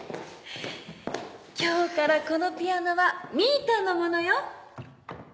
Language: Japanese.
今日からこのピアノはみぃたんのものよ。